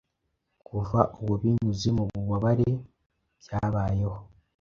Kuva uwo binyuze mububabare byabayeho